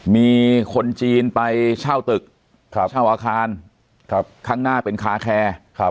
มีคนจีนไปเช่าตึกเช่าอาคารข้างหน้าเป็นคาแคร์